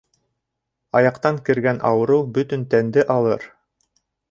Аяҡтан кергән ауырыу бөтөн тәнде алыр.